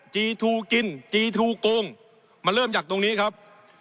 จีทูกินจีทูโกงมาเริ่มจากตรงนี้ครับ